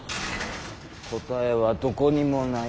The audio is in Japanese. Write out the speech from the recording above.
「答え」はどこにもない。